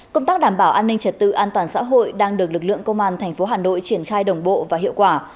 công tác đảm bảo an ninh trật tự an toàn xã hội đang được lực lượng công an tp hà nội triển khai đồng bộ và hiệu quả